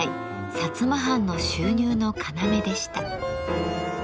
薩摩藩の収入の要でした。